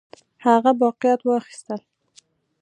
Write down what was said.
هغه باقیات واخیستل.